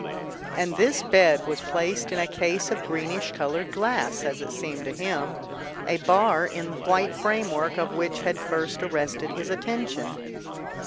And this bed was placed in a case of greenish coloured glass (as it seemed to him), a bar in the white framework of which had first arrested his attention.